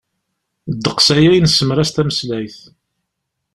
Ddeqs aya i nesemras tameslayt.